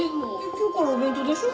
今日からお弁当でしょ？